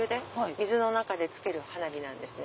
水の中で付ける花火なんですね。